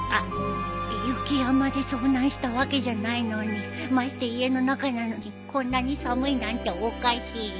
雪山で遭難したわけじゃないのにまして家の中なのにこんなに寒いなんておかしいね。